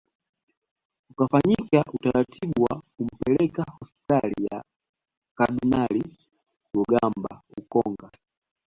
Ukafanyika utaratibu wa kumpeleka hospitali ya kardinali Rugambwa ukonga